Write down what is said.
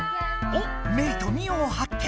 おっメイとミオを発見。